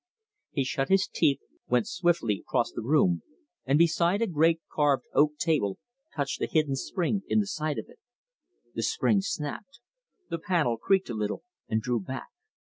He shut his teeth, went swiftly across the room, and beside a great carved oak table touched a hidden spring in the side of it. The spring snapped; the panel creaked a little and drew back.